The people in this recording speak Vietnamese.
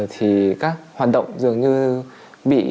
thì các hoạt động dường như bị